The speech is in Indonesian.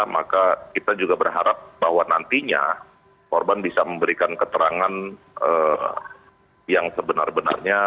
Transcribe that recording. maka kita juga berharap bahwa nantinya korban bisa memberikan keterangan yang sebenar benarnya